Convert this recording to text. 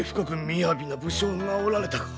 みやびな武将がおられたか。